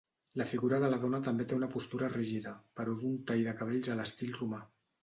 La figura de la dona també té una postura rígida però duu un tall de cabells a l'estil romà.